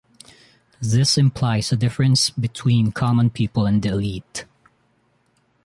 This implies a difference between common people and the elite.